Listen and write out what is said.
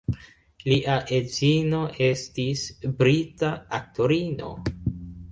Lia edzino estis brita aktorino.